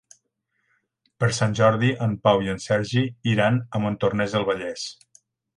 Per Sant Jordi en Pau i en Sergi iran a Montornès del Vallès.